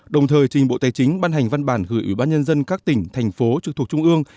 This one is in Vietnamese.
đồng thời trình bộ tài chính ban hành văn bản gửi ủy ban nhân dân các tỉnh thành phố trực thuộc trung ương